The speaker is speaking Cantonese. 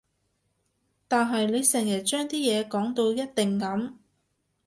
但係你成日將啲嘢講到一定噉